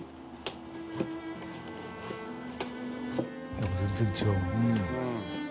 やっぱ全然違うな。